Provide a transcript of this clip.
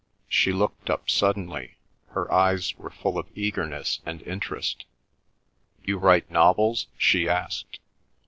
She looked up suddenly. Her eyes were full of eagerness and interest. "You write novels?" she asked.